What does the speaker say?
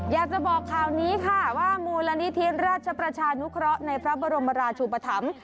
อยากจะบอกข่าวนี้ค่ะว่ามูลนิธิราชประชานุเคราะห์ในพระบรมราชุปธรรม